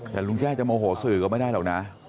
แต่ลุงแจ้จะโมโหสื่อก็ไม่ได้หรอกนะ